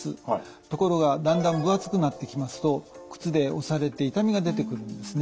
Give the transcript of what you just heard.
ところがだんだん分厚くなってきますと靴で押されて痛みが出てくるんですね。